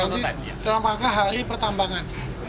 ya nanti terlampangkah hari pertambangan